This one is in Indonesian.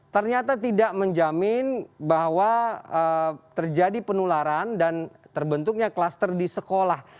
ternyata tidak menjamin bahwa terjadi penularan dan terbentuknya kluster di sekolah